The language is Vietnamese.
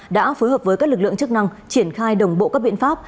đã phối hợp với các lực lượng chức năng triển khai đồng bộ các biện pháp